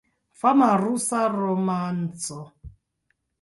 Fama rusa romanco.